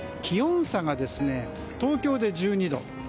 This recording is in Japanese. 気温差が東京で１２度。